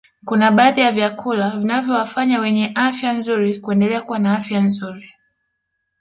Kuna baadhi ya vyakula vinavyowafanya wenye afya nzuri kuendelea kuwa na afya nzuri